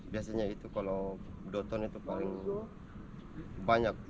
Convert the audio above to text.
biasanya itu kalau dua ton itu paling banyak